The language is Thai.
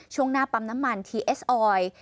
ช่วงหน้าปั๊มน้ำมันทีเอสออย